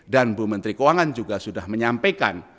dan bu menteri keuangan juga sudah menyampaikan